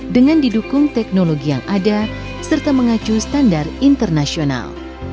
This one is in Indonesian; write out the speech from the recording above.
dengan didukung teknologi yang ada serta mengacu standar internasional